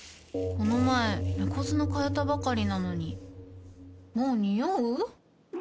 この前猫砂替えたばかりなのにもうニオう？